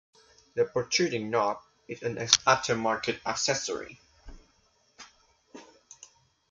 The protruding knob is an aftermarket accessory.